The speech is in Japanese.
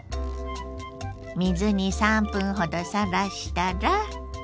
水に３分ほどさらしたら。